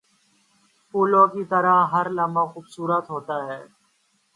پھولوں کی طرح ہر لمحہ خوبصورت ہوتا ہے۔